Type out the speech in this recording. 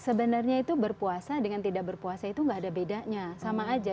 sebenarnya itu berpuasa dengan tidak berpuasa itu nggak ada bedanya sama aja